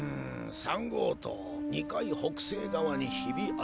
３号棟２階北西側にヒビありと。